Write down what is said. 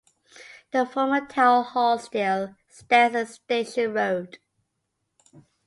The former town hall still stands in Station Road.